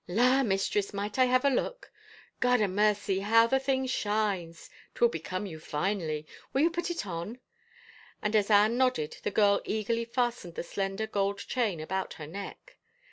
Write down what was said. " La, mistress, might I have a look? — God a mercy, how the thing shines! 'Twill become you finely. Will you put it on?" and as Anne nodded the girl eagerly fastened the slender gold chain about her neck.